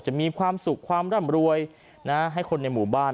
มีความสุขความร่ำรวยให้คนในหมู่บ้าน